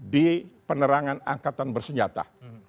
di penerangan angkatan bersenjata